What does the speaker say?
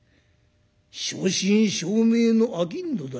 正真正銘の商人だよ」。